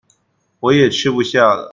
我也吃不下了